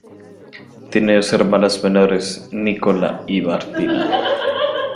Tiene dos hermanas menores: Nicola y Martina.